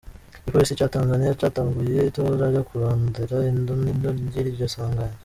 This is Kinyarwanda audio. Igipolisi ca Tanzania catanguye itohoza ryo kurondera ido n'ido ry'iryo sanganya.